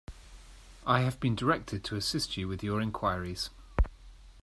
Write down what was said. I have been directed to assist you with your enquiries.